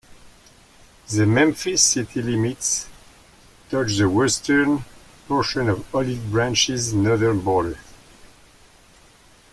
The Memphis city limits touch the western portion of Olive Branch's northern border.